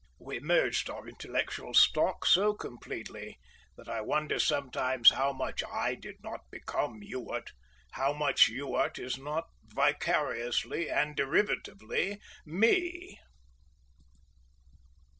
We merged our intellectual stock so completely that I wonder sometimes how much I did not become Ewart, how much Ewart is not vicariously and derivatively me.